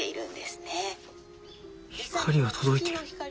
光は届いてる。